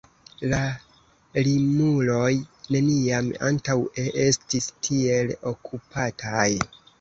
La Limuloj neniam antaŭe estis tiel okupataj.